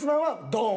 「ドーン！！」